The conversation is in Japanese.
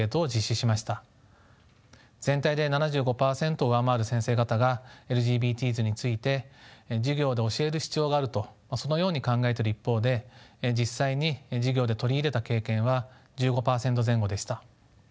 全体で７５％を上回る先生方がＬＧＢＴｓについて授業で教える必要があるとそのように考えている一方で実際に授業で取り入れた経験は１５％前後でした。